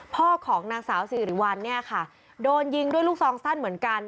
พ่อของนางสาวสิริวัลเนี่ยค่ะโดนยิงด้วยลูกซองสั้นเหมือนกัน